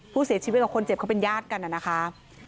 ผู้เสียชีวิตกับคนเจ็บเขาเป็นญาติกันนะคะ